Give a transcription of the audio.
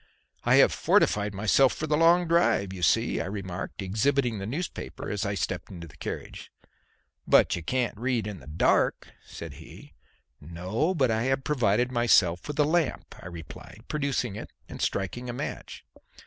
"I have fortified myself for the long drive, you see," I remarked, exhibiting the newspaper as I stepped into the carriage. "But you can't read in the dark," said he. "No, but I have provided myself with a lamp," I replied, producing it and striking a match.